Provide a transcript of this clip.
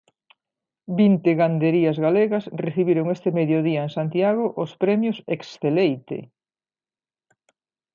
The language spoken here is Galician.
Vinte ganderías galegas recibiron este mediodía en Santiago os premios Exceleite.